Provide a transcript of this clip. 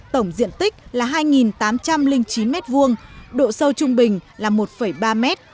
tổng diện tích là hai tám trăm linh chín m hai độ sâu trung bình là một ba m